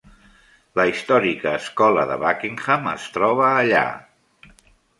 La històrica escola de Buckingham es troba allà.